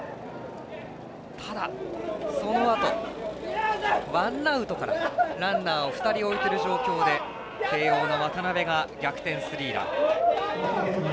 ただ、そのあとワンアウトからランナーを２人置いている状況で慶応の渡邉が逆転スリーラン。